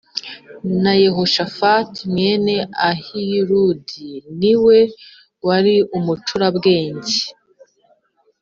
na Yehoshafati mwene Ahiludi ni we wari umucurabwenge.